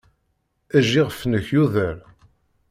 Ejj iɣef-nnek yuder.